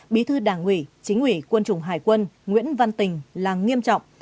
bí thư đảng ủy chính ủy quân chủng hải quân nguyễn văn tình là nghiêm trọng